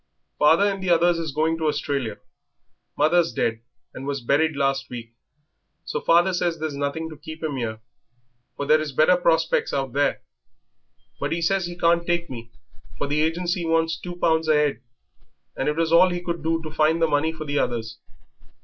"Father and the others is going to Australia. Mother's dead and was buried last week, so father says there's nothing to keep 'im 'ere, for there is better prospects out there. But he says he can't take me, for the agency wants two pounds a 'ead, and it was all he could do to find the money for the others.